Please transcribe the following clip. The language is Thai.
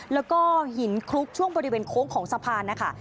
แล้วก็หินคลุกช่วงบริเวณโค้งของสะพานนะคะ